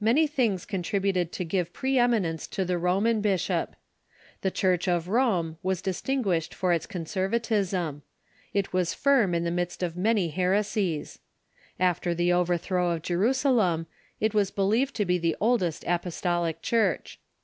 Many things contributed to give pre eminence to the Roman bishop. The Church of Rome was distinguished for its con servatism. It was firm in the midst of many here The Roman ^j^g After the overthrow of Jerusalem it was be Disnop lieved to be the oldest apostolic Cburch.